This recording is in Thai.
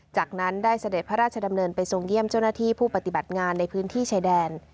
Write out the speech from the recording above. จากนั้นได้เสด็จพระราชดำเนินไปทรงเยี่ยมเจ้าหน้าที่ผู้ปฏิบัติงานในพื้นที่ชายแดน